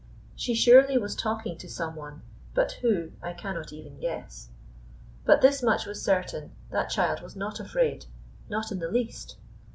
She surely was talking to some One, but Who I cannot even guess. But this much was certain: that child was not afraid. Not in the least!